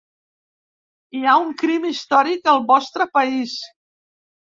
Hi ha un crim històric al vostre país.